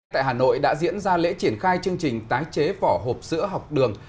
tại hà nội đã diễn ra lễ triển khai chương trình tái chế vỏ hộp sữa học đường